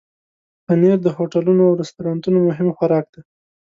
پنېر د هوټلونو او رستورانونو مهم خوراک دی.